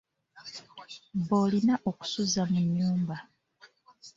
B’olina okusuza mu nnyumba.